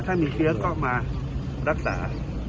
ถ้ามีเชื้อก็มารักษา